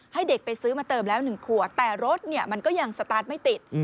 ให้เด็กไปซื้อมาเติมแล้ว๑ขวดแต่รถมันก็ยังสตาร์ทไม่ติด